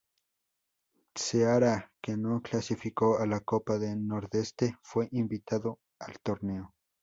Ceará, que no clasificó a la Copa do Nordeste, fue invitado al torneo.